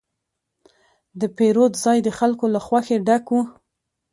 د پیرود ځای د خلکو له خوښې ډک و.